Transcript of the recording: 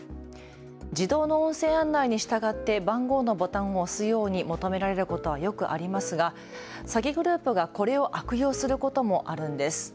自動の音声案内に従って番号のボタンを押すように求められることはよくありますが詐欺グループがこれを悪用することもあるんです。